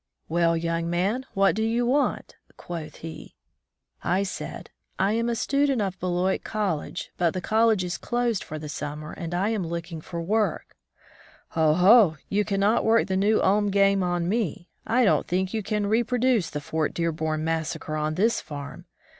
" Well, young man, what do you want ?" quoth he. I said, '^I am a student of Beloit College, 56 « College Life in the West but the college is closed for the summer and I am looking for work/' "Oho! you can not work the New Ulm game on me. I don't think you can repro duce the Fort Dearborn massacre on this farm.